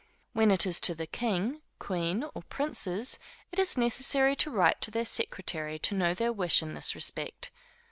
When it is to the king, queen, or princes, it is necessary to write to their secretary, to know their wish in this respect.